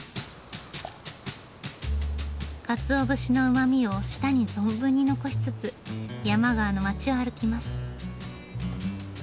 カツオ節のうまみを舌に存分に残しつつ山川の町を歩きます。